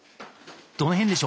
どの辺でしょう？